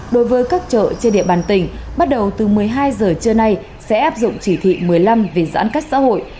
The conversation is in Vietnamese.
đối với các chợ trên địa bàn tỉnh bắt đầu từ một mươi hai giờ trưa nay sẽ áp dụng chỉ thị một mươi năm về giãn cách xã hội